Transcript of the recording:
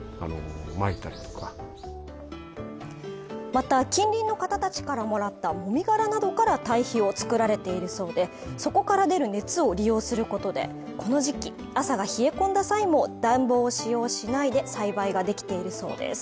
また近隣の方たちからもらったもみ殻などから堆肥を作られているそうで、そこから出る熱を利用することでこの時期、朝が冷え込んだ際も暖房を使用しないで栽培ができているそうです。